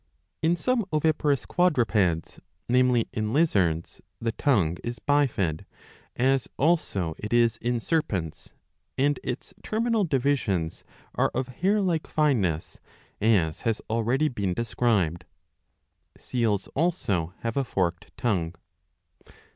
^ 691a. iv. II. 127 In some oviparous quadrupeds, namely in lizards, the tongue is bifid, as also it is in serpents, and its terminal divisions are of hair like fineness, as has already been* described.^'' (Seals also have a forked tongue.)